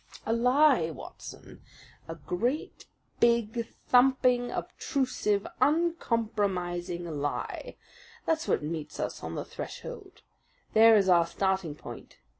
"A lie, Watson a great, big, thumping, obtrusive, uncompromising lie that's what meets us on the threshold! There is our starting point.